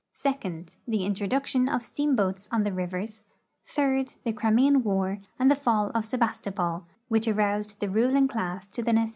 Second, the introduction of steamboats on the rivers; third, the Crimean war and fall of Sebastopol, which aroused tlie ruling class to the ncce.